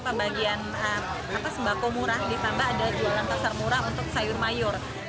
pembagian sembako murah ditambah ada jualan pasar murah untuk sayur mayur